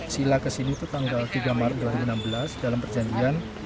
sila kesini itu tanggal tiga maret dua ribu enam belas dalam perjanjian